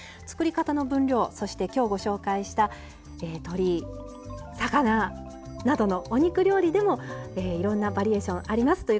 作り方の分量そして今日ご紹介した鶏魚などのお肉料理でもいろんなバリエーションあります。